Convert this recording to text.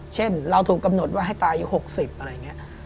เช่นเราถูกกำหนดว่าให้ตายอยู่๖๐อะไรอย่างนี้